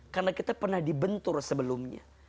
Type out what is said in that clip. karena kita pernah dibentur sebelumnya